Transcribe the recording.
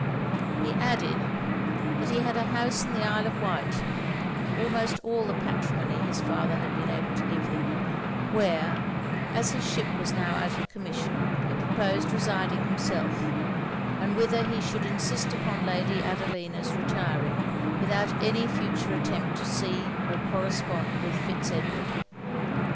He added, that he had a house in the Isle of Wight (almost all the patrimony his father had been able to give him,) where, as his ship was now out of commission, he proposed residing himself; and whither he should insist upon Lady Adelina's retiring, without any future attempt to see or correspond with Fitz Edward.